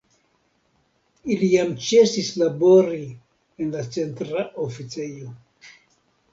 Ili jam ĉesis labori en la Centra Oficejo.